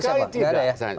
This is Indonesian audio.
gak ada ya